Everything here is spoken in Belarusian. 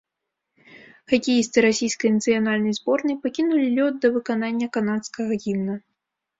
Хакеісты расійскай нацыянальнай зборнай пакінулі лёд да выканання канадскага гімна.